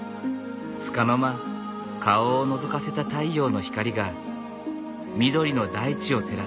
つかの間顔をのぞかせた太陽の光が緑の大地を照らす。